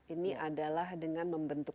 ini adalah dengan membentuk